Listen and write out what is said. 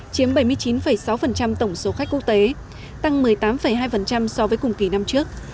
chiếm bảy mươi chín sáu tổng số khách quốc tế tăng một mươi tám hai so với cùng kỳ năm trước